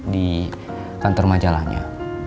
di kantor majalahnya